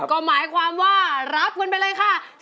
ก็หมายความว่ารับเงินไปเลยค่ะ